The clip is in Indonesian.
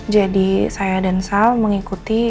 jadi saya dan sal mengikuti